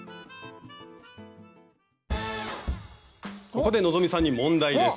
ここで希さんに問題です。